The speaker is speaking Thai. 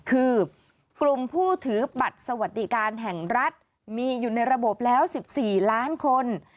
คือกลุ่มผู้ถือบัตรสวัสดิการแห่งรัฐมีอยู่ในระบบแล้ว๑๔ล้านคน